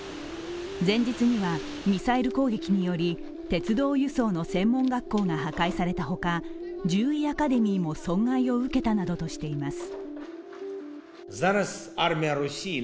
前日には、ミサイル攻撃により鉄道輸送の専門学校が破壊されたほか、獣医アカデミーも損害を受けたなどとしています。